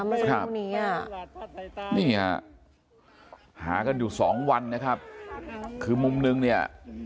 เมื่อสักครู่นี้นี่ฮะหากันอยู่สองวันนะครับคือมุมนึงเนี่ย